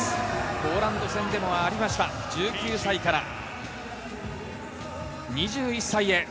ポーランド戦でもありました、１９歳から２１歳へ。